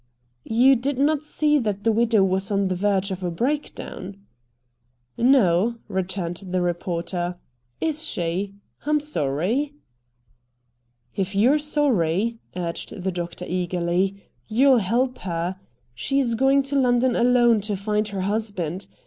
"You did not see that the widow was on the verge of a breakdown!" "No," returned the reporter. "Is she? I'm sorry." "If you're sorry," urged the doctor eagerly, "you'll help her. She is going to London alone to find her husband.